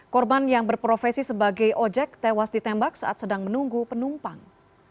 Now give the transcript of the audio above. korban yang berprofesi sebagai ojek tewas ditembak saat sedang menunggu penumpang